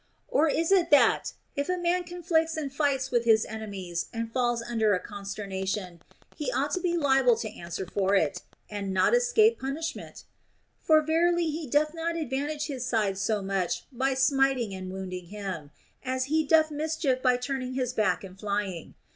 Or is it that, if a man conflicts and fights with his enemies and falls under a consternation, he ought to be liable to answer for it, and not escape punishment 1 For verily he doth not advantage his side so much by smiting and wounding him, as he doth mischief by turning his back and flying.